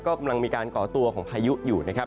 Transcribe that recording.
ก็กำลังมีการก่อตัวของพายุอยู่นะครับ